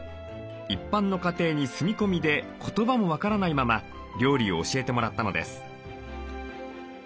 一般の家庭に住み込みで言葉も分からないまま料理を教えてもらったのです。